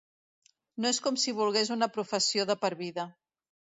No és com si volgués una professió de per vida.